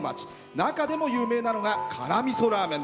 中でも有名なのが辛みそラーメン。